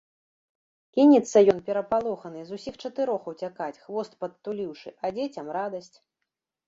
Кінецца ён, перапалоханы, з усіх чатырох уцякаць, хвост падтуліўшы, а дзецям радасць.